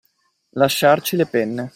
Lasciarci le penne.